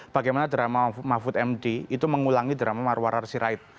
bagaimana drama mahfud md itu mengulangi drama marwar arsirait